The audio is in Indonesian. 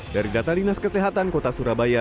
dari data dinas kesehatan kota surabaya